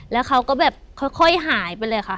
แล้วเขาก็แบบค่อยหายไปเลยค่ะ